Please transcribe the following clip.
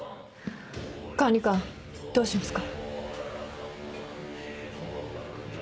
管理官どうしますか？